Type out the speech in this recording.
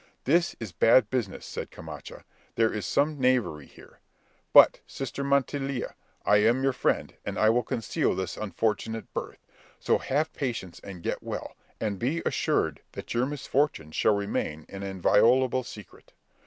'This is a bad business,' said Camacha; 'there is some knavery here. But, sister Montiela, I am your friend, and I will conceal this unfortunate birth; so have patience and get well, and be assured that your misfortune shall remain an inviolable secret.'